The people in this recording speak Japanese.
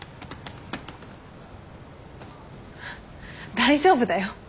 大丈夫だよ。